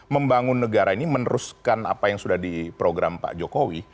membangun negara ini meneruskan apa yang sudah di program pak jokowi